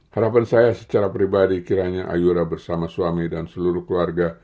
harapan saya secara pribadi kiranya ayora bersama suami dan seluruh keluarga